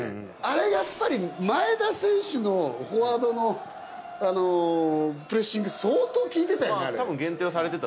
あれやっぱり前田選手のフォワードのプレッシング相当効いてたよね。